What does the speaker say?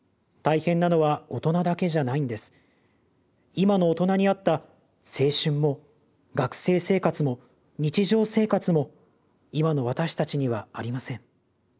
今の大人にあった青春も学生生活も日常生活も今の私たちにはありません。